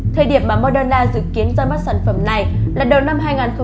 thời điểm mà moderna dự kiến ra mắt sản phẩm này là đầu năm hai nghìn hai mươi